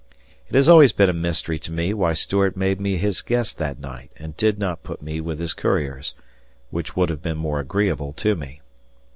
It has always been a mystery to me why Stuart made me his guest that night and did not put me with his couriers which would have been more agreeable to me.